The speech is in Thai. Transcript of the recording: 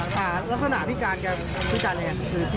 ลักษณะพิการแกพิการยังไงคือ